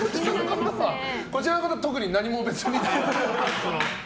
こちらの方は特に何も別に。